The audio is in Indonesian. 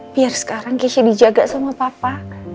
biar sekarang kisha dijaga sama papa